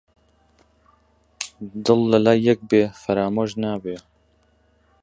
دڵ لە لای یەک بێ فەرامۆش نابێ